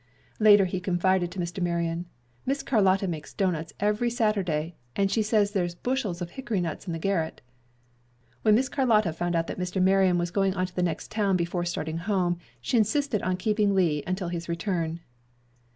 Later he confided to Mr. Marion, "Miss Carlotta makes doughnuts every Saturday, and she says there's bushels of hickory nuts in the garret." When Miss Carlotta found that Mr. Marion was going on to the next town before starting home, she insisted on keeping Lee until his return.